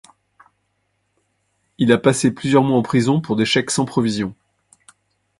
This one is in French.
Il a passé plusieurs mois en prison pour des chèques sans provision.